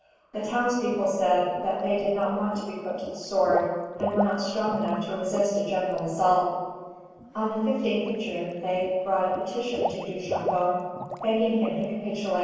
The townspeople said that they did not want to be put to the sword, and were not strong enough to resist a general assault." [Footnote: Bigot au Ministre, 1 Août, 1745.] On the 15th of June they brought a petition to Duchambon, begging him to capitulate.